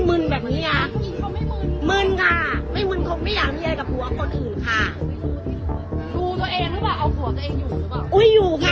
เอาโซ่เอาโซ่ล่ะ